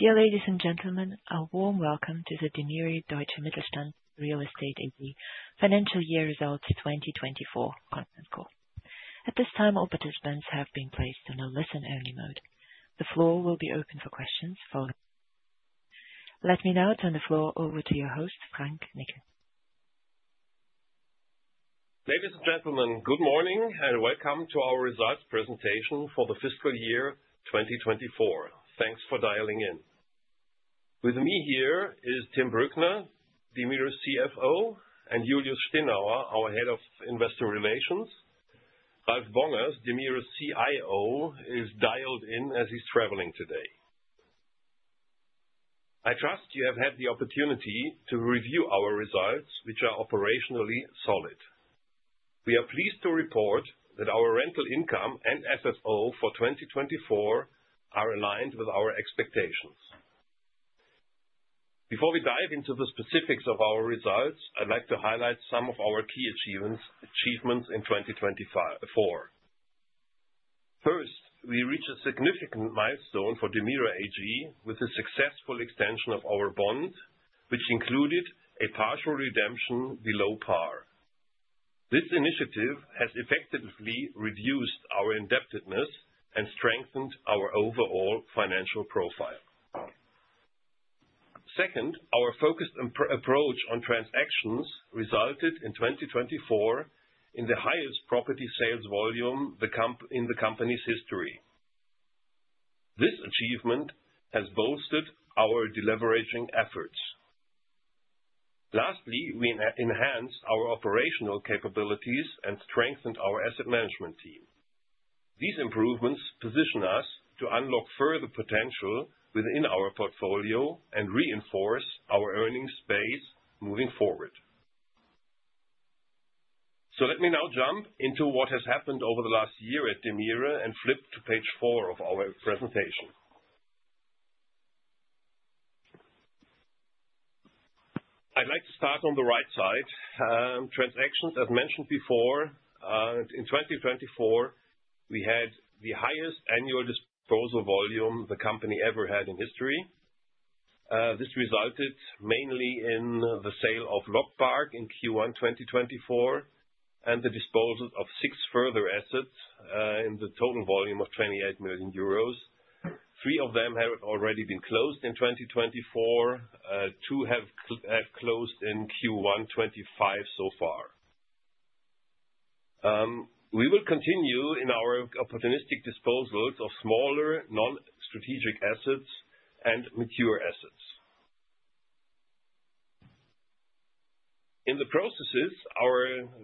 Dear ladies and gentlemen, a warm welcome to the DEMIRE Deutsche Mittelstand Real Estate AG financial year results 2024 content call. At this time, all participants have been placed in a listen-only mode. The floor will be open for questions following. Let me now turn the floor over to your host, Frank Nickel. Ladies and gentlemen, good morning and welcome to our results presentation for the fiscal year 2024. Thanks for dialing in. With me here is Tim Brückner, DEMIRE CFO, and Julius Stinauer, our Head of Investor Relations. Ralf Bongers, DEMIRE CIO, is dialed in as he's traveling today. I trust you have had the opportunity to review our results, which are operationally solid. We are pleased to report that our rental income and FFO for 2024 are aligned with our expectations. Before we dive into the specifics of our results, I'd like to highlight some of our key achievements in 2024. First, we reached a significant milestone for DEMIRE with the successful extension of our bond, which included a partial redemption below par. This initiative has effectively reduced our indebtedness and strengthened our overall financial profile. Second, our focused approach on transactions resulted in 2024 in the highest property sales volume in the company's history. This achievement has bolstered our deleveraging efforts. Lastly, we enhanced our operational capabilities and strengthened our asset management team. These improvements position us to unlock further potential within our portfolio and reinforce our earnings base moving forward. Let me now jump into what has happened over the last year at DEMIRE and flip to page four of our presentation. I'd like to start on the right side. Transactions, as mentioned before, in 2024, we had the highest annual disposal volume the company ever had in history. This resulted mainly in the sale of LogPark in Q1 2024 and the disposal of six further assets in the total volume of 28 million euros. Three of them have already been closed in 2024. Two have closed in Q1 2025 so far. We will continue in our opportunistic disposals of smaller non-strategic assets and mature assets. In the process,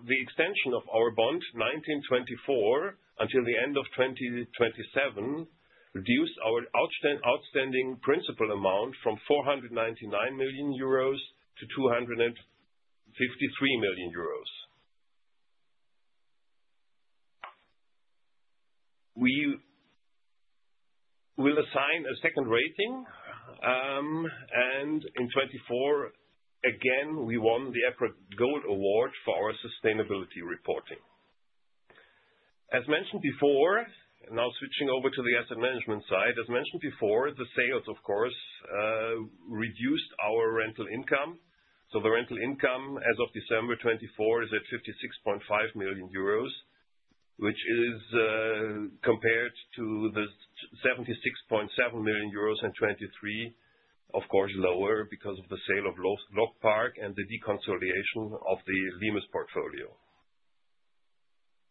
the extension of our bond 2024 until the end of 2027 reduced our outstanding principal amount from 499 million euros to 253 million euros. We will assign a second rating. In 2024, again, we won the EPRA Gold Award for our sustainability reporting. As mentioned before, now switching over to the asset management side, as mentioned before, the sales, of course, reduced our rental income. The rental income as of December 2024 is at 56.5 million euros, which is compared to the 76.7 million euros in 2023, of course, lower because of the sale of LogPark and the deconsolidation of the Limes portfolio.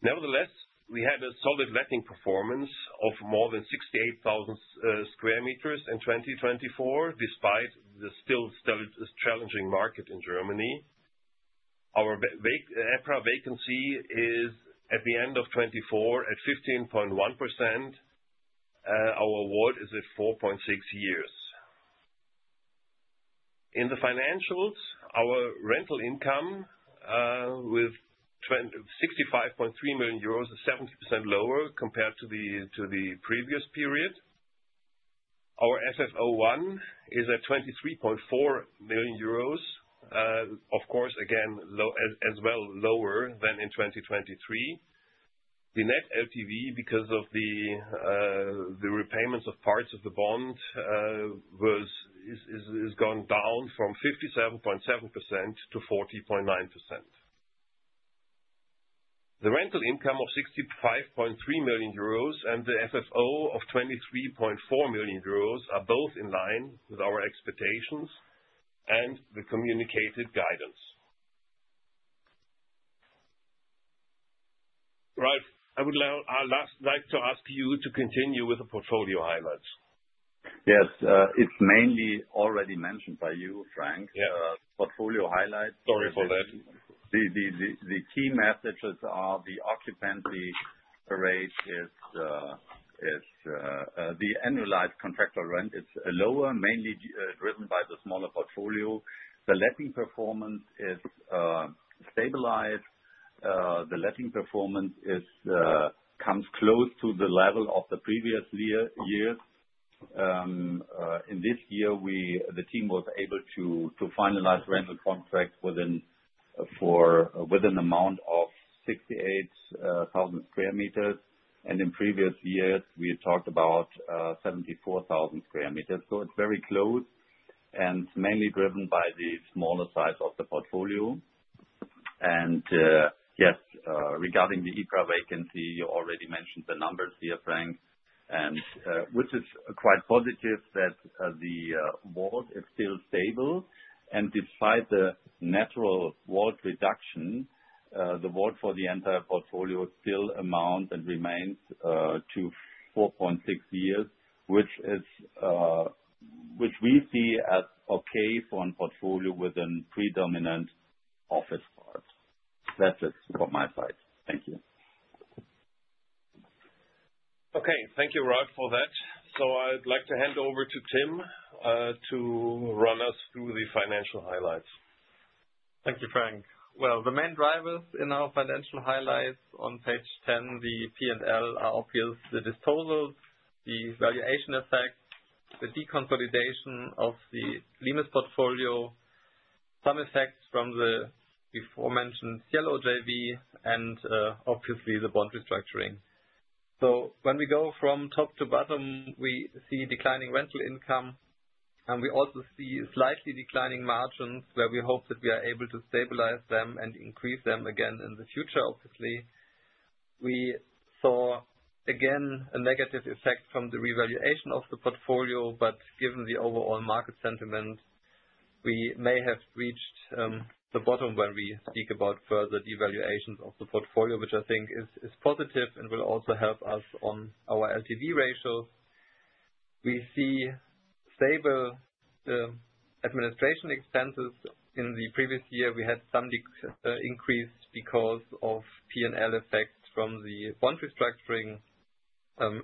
Nevertheless, we had a solid letting performance of more than 68,000 sq m in 2024, despite the still challenging market in Germany. Our EPRA vacancy is at the end of 2024 at 15.1%. Our WAULT is at 4.6 years. In the financials, our rental income with 65.3 million euros is 70% lower compared to the previous period. Our FFO1 is at 23.4 million euros, of course, again, as well lower than in 2023. The net LTV, because of the repayments of parts of the bond, has gone down from 57.7% to 40.9%. The rental income of 65.3 million euros and the FFO of 23.4 million euros are both in line with our expectations and the communicated guidance. Ralf, I would like to ask you to continue with the portfolio highlights. Yes. It's mainly already mentioned by you, Frank. Portfolio highlights. Sorry for that. The key messages are the occupancy rate is the annualized contractual rent is lower, mainly driven by the smaller portfolio. The letting performance is stabilized. The letting performance comes close to the level of the previous years. This year, the team was able to finalize rental contracts within an amount of 68,000 sq m. In previous years, we talked about 74,000 sq m. It is very close and mainly driven by the smaller size of the portfolio. Yes, regarding the EPRA vacancy, you already mentioned the numbers here, Frank, which is quite positive that the WAULT is still stable. Despite the natural WAULT reduction, the WAULT for the entire portfolio still amounts and remains to 4.6 years, which we see as okay for a portfolio with a predominant office part. That is it from my side. Thank you. Okay. Thank you, Ralf, for that. I would like to hand over to Tim to run us through the financial highlights. Thank you, Frank. The main drivers in our financial highlights on page 10, the P&L, are obviously the disposals, the valuation effects, the deconsolidation of the Limes portfolio, some effects from the before-mentioned Cielo JV, and obviously the bond restructuring. When we go from top to bottom, we see declining rental income. We also see slightly declining margins where we hope that we are able to stabilize them and increase them again in the future, obviously. We saw, again, a negative effect from the revaluation of the portfolio, but given the overall market sentiment, we may have reached the bottom when we speak about further devaluations of the portfolio, which I think is positive and will also help us on our LTV ratios. We see stable administration expenses. In the previous year, we had some increase because of P&L effects from the bond restructuring.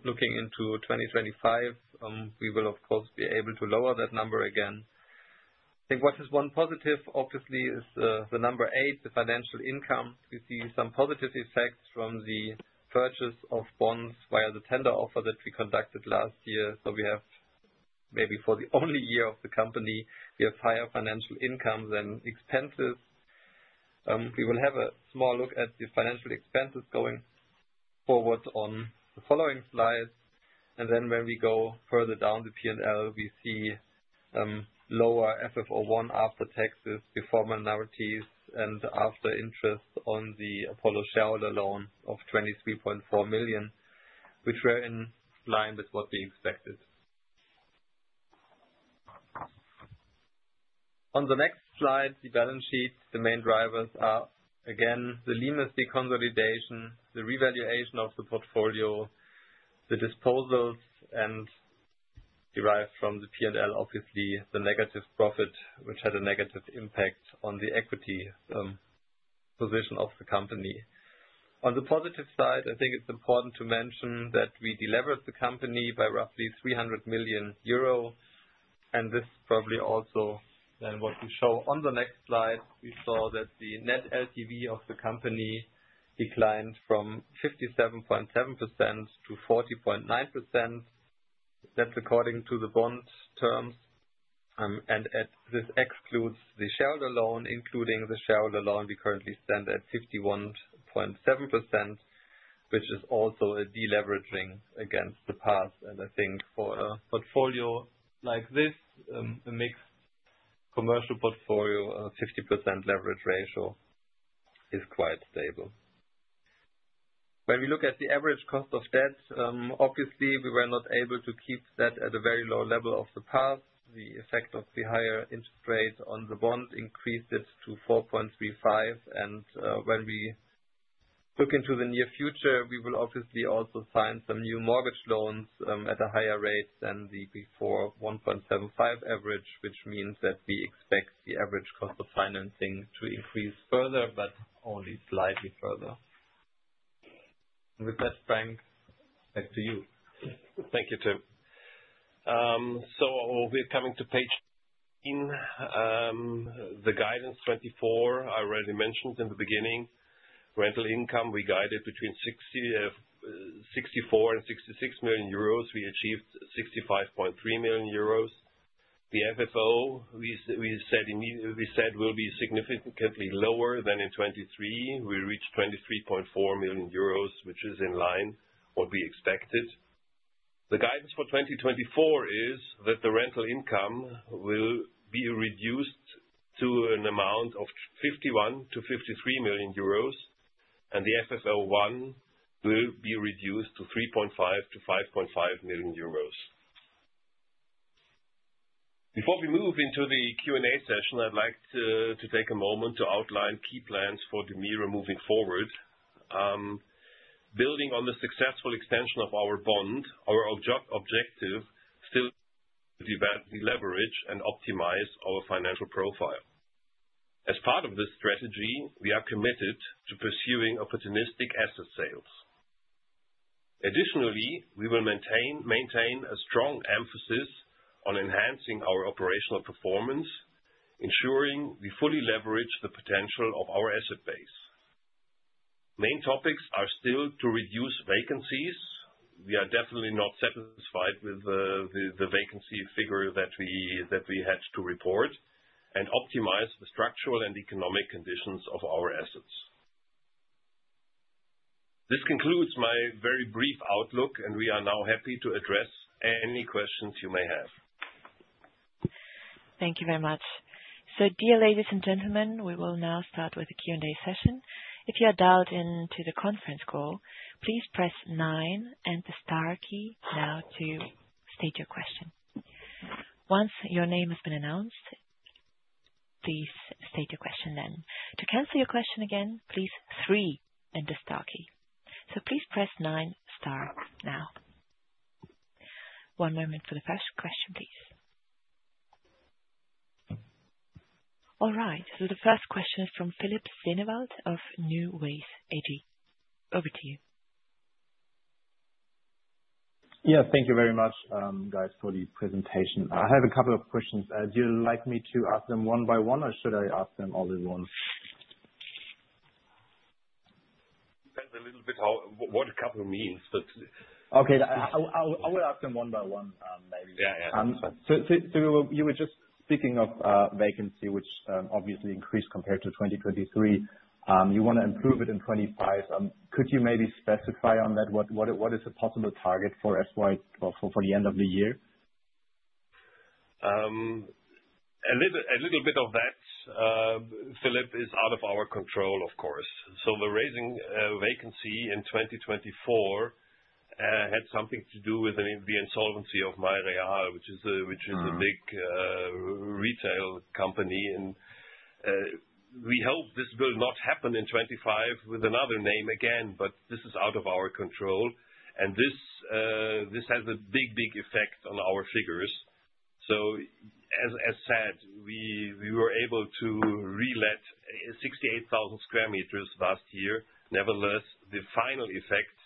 Looking into 2025, we will, of course, be able to lower that number again. I think what is one positive, obviously, is the number eight, the financial income. We see some positive effects from the purchase of bonds via the tender offer that we conducted last year. We have, maybe for the only year of the company, higher financial income than expenses. We will have a small look at the financial expenses going forward on the following slides. When we go further down the P&L, we see lower FFO 1 after taxes, before minorities, and after interest on the Apollo Shareholder loan of 23.4 million, which were in line with what we expected. On the next slide, the balance sheet, the main drivers are, again, the Limes deconsolidation, the revaluation of the portfolio, the disposals, and derived from the P&L, obviously, the negative profit, which had a negative impact on the equity position of the company. On the positive side, I think it's important to mention that we deleveraged the company by roughly 300 million euro. This probably also then what we show on the next slide. We saw that the net LTV of the company declined from 57.7%-40.9%. That is according to the bond terms. This excludes the Shareholder loan, including the Shareholder loan we currently stand at 51.7%, which is also a deleveraging against the past. I think for a portfolio like this, a mixed commercial portfolio, a 50% leverage ratio is quite stable. When we look at the average cost of debt, obviously, we were not able to keep that at a very low level of the past. The effect of the higher interest rate on the bond increased it to 4.35%. When we look into the near future, we will obviously also find some new mortgage loans at a higher rate than the before 1.75% average, which means that we expect the average cost of financing to increase further, but only slightly further. With that, Frank, back to you. Thank you, Tim. We are coming to page 18. The guidance for 2024, I already mentioned in the beginning. Rental income, we guided between 64 million and 66 million euros. We achieved 65.3 million euros. The FFO, we said will be significantly lower than in 2023. We reached 23.4 million euros, which is in line with what we expected. The guidance for 2024 is that the rental income will be reduced to an amount of 51 million-53 million euros, and the FFO1 will be reduced to 3.5 million-5.5 million euros. Before we move into the Q&A session, I'd like to take a moment to outline key plans for DEMIRE moving forward. Building on the successful extension of our bond, our objective still is to deleverage and optimize our financial profile. As part of this strategy, we are committed to pursuing opportunistic asset sales. Additionally, we will maintain a strong emphasis on enhancing our operational performance, ensuring we fully leverage the potential of our asset base. Main topics are still to reduce vacancies. We are definitely not satisfied with the vacancy figure that we had to report and optimize the structural and economic conditions of our assets. This concludes my very brief outlook, and we are now happy to address any questions you may have. Thank you very much. Dear ladies and gentlemen, we will now start with the Q&A session. If you are dialed into the conference call, please press nine and the star key now to state your question. Once your name has been announced, please state your question then. To cancel your question again, please press three and the star key. Please press nine, star now. One moment for the first question, please. All right. The first question is from Philipp Sennewald of NuWays AG. Over to you. Yes, thank you very much, guys, for the presentation. I have a couple of questions. Do you like me to ask them one by one, or should I ask them all at once? Depends a little bit on what a couple means, but. Okay. I will ask them one by one, maybe. Yeah, yeah. You were just speaking of vacancy, which obviously increased compared to 2023. You want to improve it in 2025. Could you maybe specify on that? What is a possible target for the end of the year? A little bit of that, Philipp, is out of our control, of course. The raising vacancy in 2024 had something to do with the insolvency of Mein Real, which is a big retail company. We hope this will not happen in 2025 with another name again, but this is out of our control. This has a big, big effect on our figures. As said, we were able to re-let 68,000 sq m last year. Nevertheless, the final effect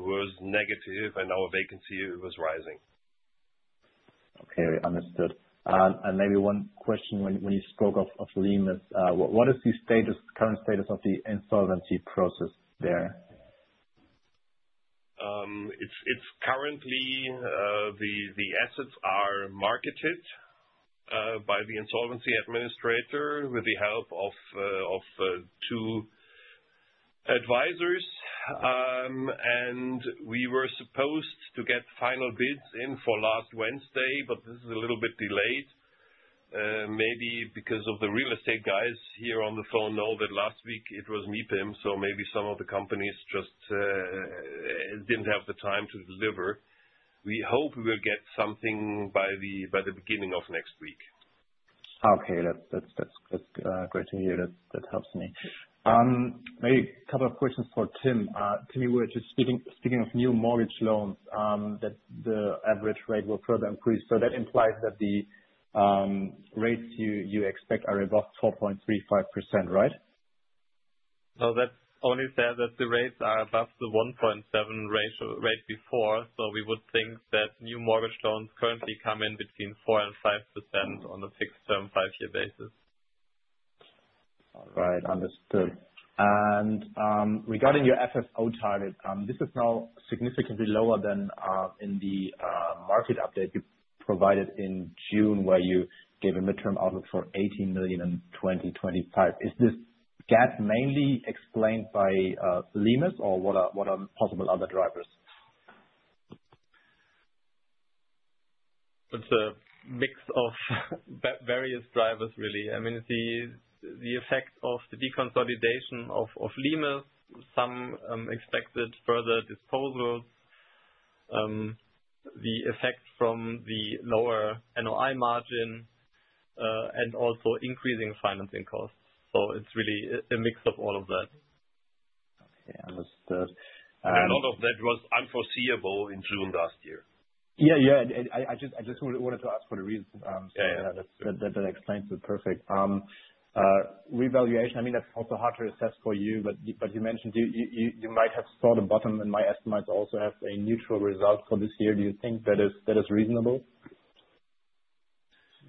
was negative, and our vacancy was rising. Okay. Understood. Maybe one question when you spoke of Limes. What is the current status of the insolvency process there? Currently the assets are marketed by the insolvency administrator with the help of two advisors. We were supposed to get final bids in for last Wednesday, but this is a little bit delayed, maybe because the real estate guys here on the phone know that last week it was MIPIM. Maybe some of the companies just did not have the time to deliver. We hope we will get something by the beginning of next week. Okay. That's great to hear. That helps me. Maybe a couple of questions for Tim. Tim, you were just speaking of new mortgage loans that the average rate will further increase. That implies that the rates you expect are above 4.35%, right? No, that's only said that the rates are above the 1.7 rate before. We would think that new mortgage loans currently come in between 4% and 5% on a fixed-term five-year basis. All right. Understood. Regarding your FFO target, this is now significantly lower than in the market update you provided in June where you gave a midterm outlook for 18 million in 2025. Is this gap mainly explained by Limes or what are possible other drivers? It's a mix of various drivers, really. I mean, the effect of the deconsolidation of Limes, some expected further disposals, the effect from the lower NOI margin, and also increasing financing costs. It is really a mix of all of that. Okay. Understood. All of that was unforeseeable in June last year. Yeah, yeah. I just wanted to ask for the reason. That explains it perfect. Revaluation, I mean, that's also hard to assess for you, but you mentioned you might have saw the bottom and my estimates also have a neutral result for this year. Do you think that is reasonable?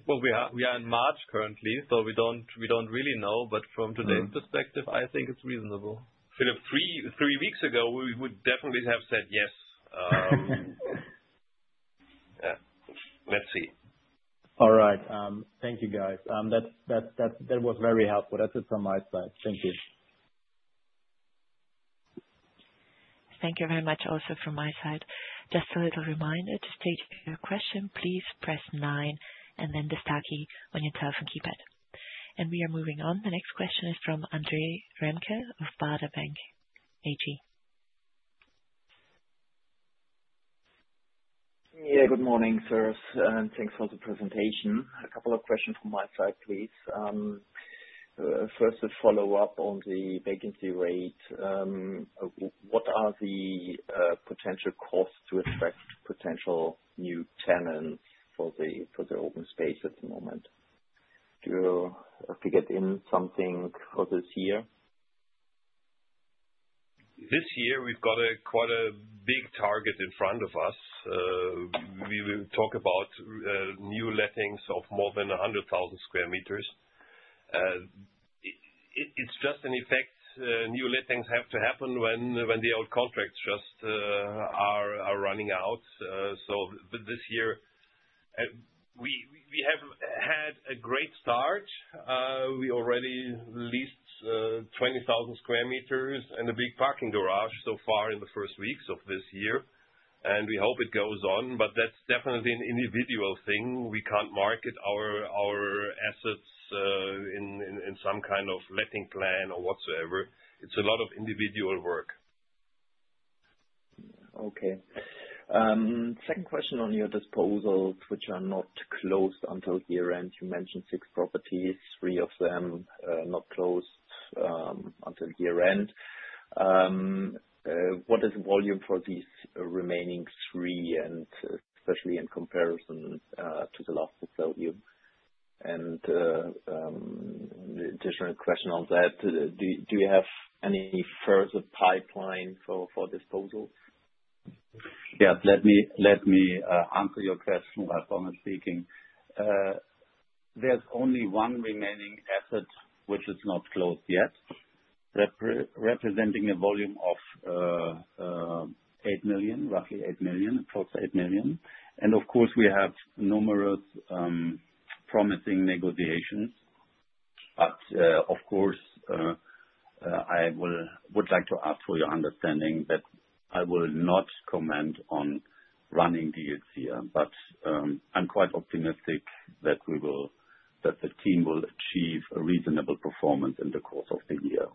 We are in March currently, so we don't really know. From today's perspective, I think it's reasonable. Philipp, three weeks ago, we would definitely have said yes. Yeah. Let's see. All right. Thank you, guys. That was very helpful. That's it from my side. Thank you. Thank you very much also from my side. Just a little reminder to state your question, please press nine and then the star key on your telephone keypad. We are moving on. The next question is from Andre Remke of Baader Bank AG. Yeah, good morning, sir. Thanks for the presentation. A couple of questions from my side, please. First, a follow-up on the vacancy rate. What are the potential costs to attract potential new tenants for the open space at the moment? Do you have to get in something for this year? This year, we've got quite a big target in front of us. We will talk about new lettings of more than 100,000 sq m. It's just an effect. New lettings have to happen when the old contracts just are running out. This year, we have had a great start. We already leased 20,000 sq m and a big parking garage so far in the first weeks of this year. We hope it goes on, but that's definitely an individual thing. We can't market our assets in some kind of letting plan or whatsoever. It's a lot of individual work. Okay. Second question on your disposals, which are not closed until year-end. You mentioned six properties, three of them not closed until year-end. What is the volume for these remaining three, especially in comparison to the last disposal? The additional question on that, do you have any further pipeline for disposals? Yeah, let me answer your question while phone speaking. There is only one remaining asset, which is not closed yet, representing a volume of 8 million, roughly 8 million, close to 8 million. Of course, we have numerous promising negotiations. I would like to ask for your understanding that I will not comment on running deals here, but I am quite optimistic that the team will achieve a reasonable performance in the course of the current year.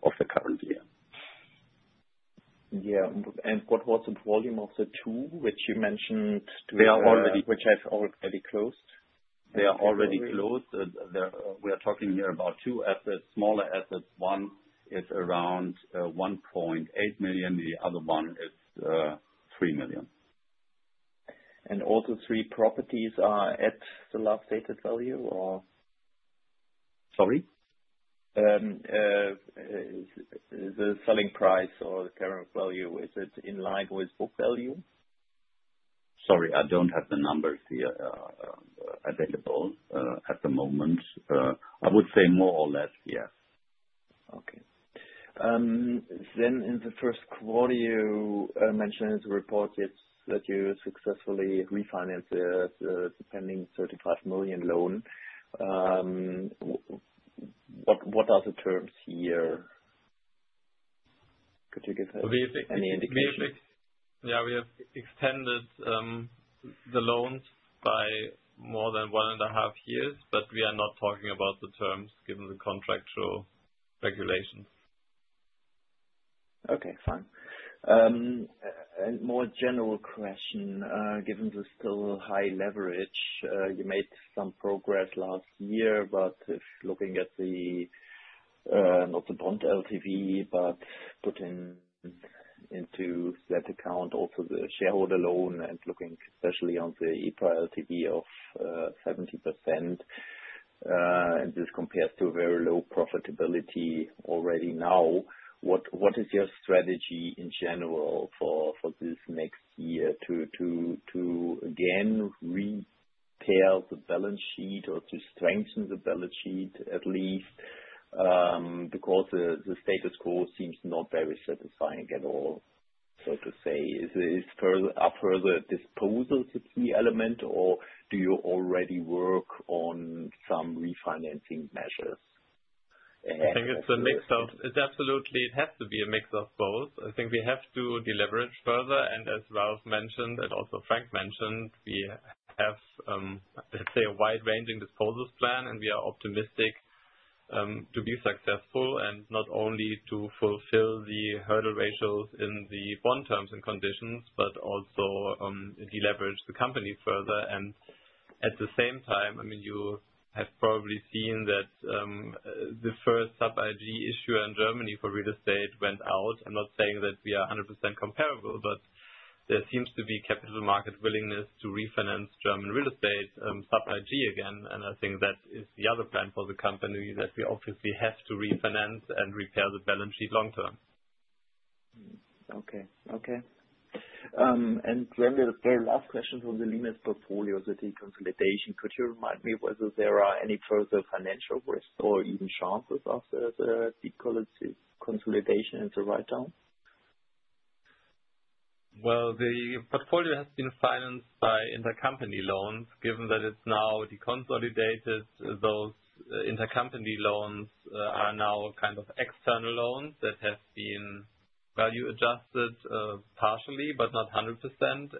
Yeah. What was the volume of the two, which you mentioned? They are already. Which have already closed? They are already closed. We are talking here about two assets, smaller assets. One is around 1.8 million. The other one is 3 million. Are all the three properties at the last stated value, or? Sorry? The selling price or the current value, is it in line with book value? Sorry, I don't have the numbers here available at the moment. I would say more or less, yes. Okay. In the first quarter, you mentioned in the report that you successfully refinanced a pending EUR 35 million loan. What are the terms here? Could you give any indication? We have extended the loans by more than one and a half years, but we are not talking about the terms given the contractual regulations. Okay. Fine. A more general question, given the still high leverage, you made some progress last year, but if looking at not the bond LTV, but put into that account also the shareholder loan and looking especially on the EPRA LTV of 70%, and this compares to very low profitability already now, what is your strategy in general for this next year to again repair the balance sheet or to strengthen the balance sheet at least? Because the status quo seems not very satisfying at all, so to say. Are further disposals the key element, or do you already work on some refinancing measures ahead? I think it's a mix of it, absolutely, it has to be a mix of both. I think we have to deleverage further. As Ralf mentioned and also Frank mentioned, we have, let's say, a wide-ranging disposals plan, and we are optimistic to be successful and not only to fulfill the hurdle ratios in the bond terms and conditions, but also deleverage the company further. At the same time, I mean, you have probably seen that the first sub-IG issue in Germany for real estate went out. I'm not saying that we are 100% comparable, but there seems to be capital market willingness to refinance German real estate sub-IG again. I think that is the other plan for the company, that we obviously have to refinance and repair the balance sheet long term. Okay. Okay. The last question for the Limes portfolio is the deconsolidation. Could you remind me whether there are any further financial risks or even chances of the deconsolidation in the right terms? The portfolio has been financed by intercompany loans. Given that it's now deconsolidated, those intercompany loans are now kind of external loans that have been value-adjusted partially, but not 100%.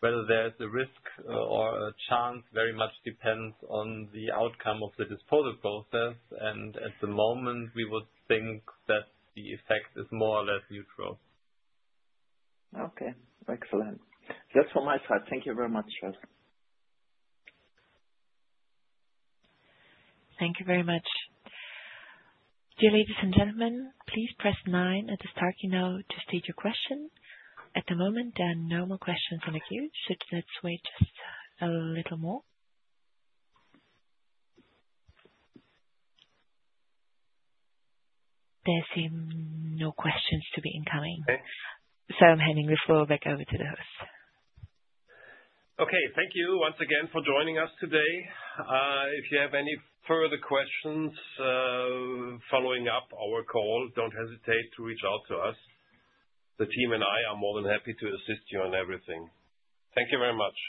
Whether there is a risk or a chance very much depends on the outcome of the disposal process. At the moment, we would think that the effect is more or less neutral. Okay. Excellent. That's from my side. Thank you very much, sir. Thank you very much. Dear ladies and gentlemen, please press nine at the start now to state your question. At the moment, there are no more questions on the queue, so let's wait just a little more. There seem no questions to be incoming. Okay. I'm handing the floor back over to the host. Okay. Thank you once again for joining us today. If you have any further questions following up our call, do not hesitate to reach out to us. The team and I are more than happy to assist you on everything. Thank you very much.